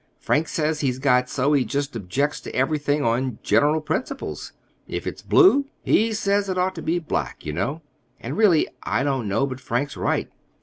Frank says he's got so he just objects to everything—on general principles. If it's blue, he says it ought to be black, you know. And, really, I don't know but Frank's right.